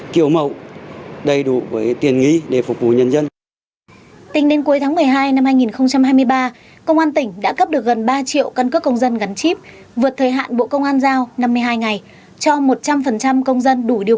vượt thời hạn bộ công an giao năm mươi hai ngày cho một trăm linh công dân đủ điều